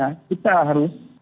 nanti sampai lagi